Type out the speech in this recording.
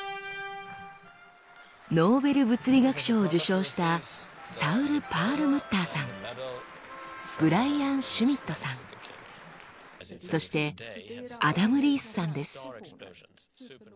ノーベル物理学賞を受賞したサウル・パールムッターさんブライアン・シュミットさんそしてアダム・リースさんです。